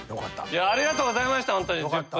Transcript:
いやありがとうございました